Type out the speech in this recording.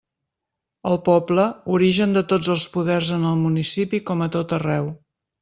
El poble, origen de tots els poders en el municipi com a tot arreu.